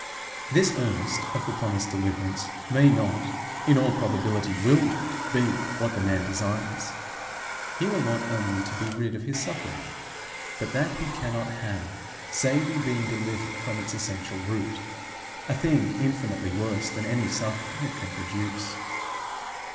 This earnest of the promised deliverance may not, in all probability will not be what the man desires; he will want only to be rid of his suffering; but that he cannot have, save in being delivered from its essential root, a thing infinitely worse than any suffering it can produce.